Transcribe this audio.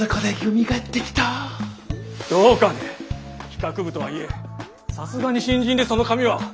どうかね企画部とはいえさすがに新人でその髪は。